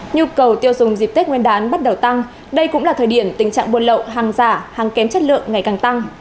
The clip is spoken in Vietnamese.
nhu cầu tiêu dùng dịp tết nguyên đán bắt đầu tăng đây cũng là thời điểm tình trạng buôn lậu hàng giả hàng kém chất lượng ngày càng tăng